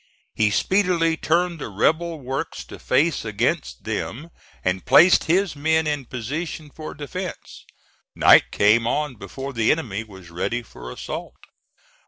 He speedily turned the rebel works to face against them and placed his men in position for defence. Night came on before the enemy was ready for assault.